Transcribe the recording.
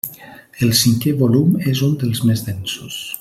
El cinquè volum és un dels més densos.